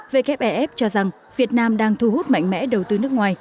wfef cho rằng việt nam đang thu hút mạnh mẽ đầu tư nước ngoài